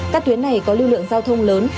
các tuyến này có lưu lượng giao thông lớn